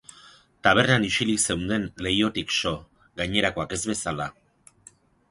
Tabernan isilik zeunden, leihotik so, gainerakoak ez bezala.